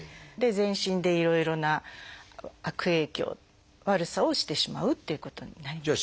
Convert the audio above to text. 全身でいろいろな悪影響悪さをしてしまうっていうことになります。